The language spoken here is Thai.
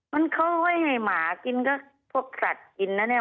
มันเขาไว้ให้หมากินก็พวกสัตว์กินนะเนี่ย